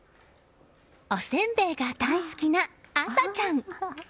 おせんべいが大好きな安沙ちゃん。